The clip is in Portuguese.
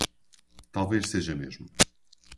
Talvez seja mesmo